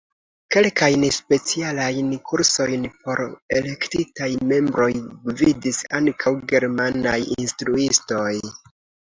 Kelkajn specialajn kursojn por elektitaj membroj gvidis ankaŭ germanaj instruistoj.